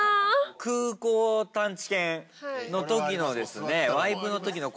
空港探知犬のときのですね。